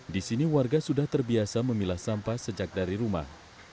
di sini warga sudah terbiasa memilah sampah sejak dari rumah